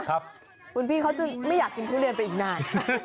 คุณพี่เขาจึงไม่อยากกินทุเรียนไปอีกนาน